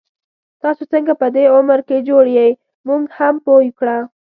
تاسو څنګه په دی عمر کي جوړ يې، مونږ هم پوه کړه